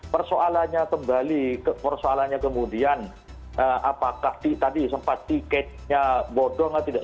persoalannya kembali persoalannya kemudian apakah tadi sempat tiketnya bodong atau tidak